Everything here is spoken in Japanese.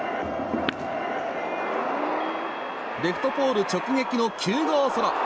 レフトポール直撃の９号ソロ。